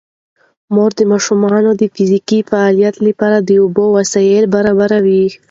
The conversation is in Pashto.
مور د ماشومانو د فزیکي فعالیت لپاره د لوبو وسایل برابروي.